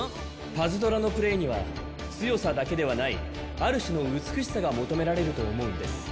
パズドラのプレイには強さだけではないある種の美しさが求められると思うんです。